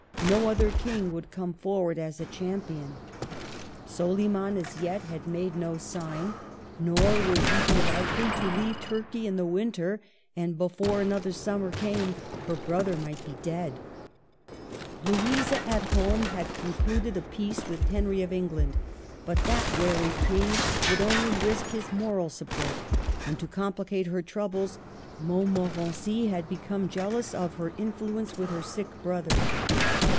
No other king would come forward as a champion. 7 9^ MARGARET OF ANGOULMmE. Soliman as yet had made no sign, nor would he be likely to leave Turkey in the winter, and before another summer came her brother might be dead. Louisa, at home, had concluded a peace with Henry of England, but that wary king would only risk his moral support ; and, to comphcate her troubles, Montmorency had become jealous of her influence with her sick brother.